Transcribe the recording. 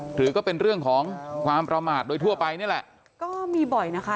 หรือก็เป็นเรื่องของความประมาทโดยทั่วไปนี่แหละก็มีบ่อยนะคะ